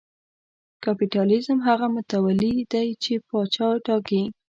کاپیتالېزم هغه متولي دی چې پاچا ټاکي.